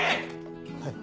はい。